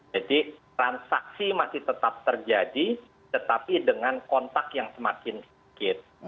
jadi transaksi masih tetap terjadi tetapi dengan kontak yang semakin sedikit